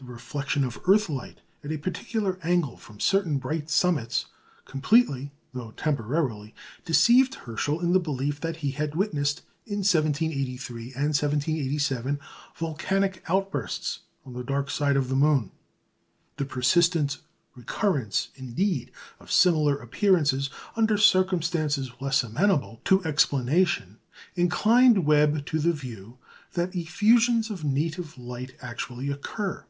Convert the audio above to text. The reflection of earth light at a particular angle from certain bright summits completely, though temporarily, deceived Herschel into the belief that he had witnessed, in 1783 and 1787, volcanic outbursts on the dark side of the moon. The persistent recurrence, indeed, of similar appearances under circumstances less amenable to explanation inclined Webb to the view that effusions of native light actually occur.